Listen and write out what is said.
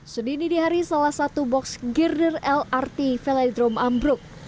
senin dinihari salah satu box girder lrt velodrome ambruk